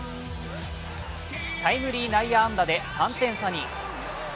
タイムリー内野安打で、３点差に。